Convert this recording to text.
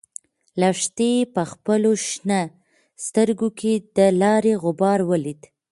لښتې په خپلو شنه سترګو کې د لارې غبار ولید.